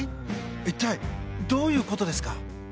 一体どういうことですか？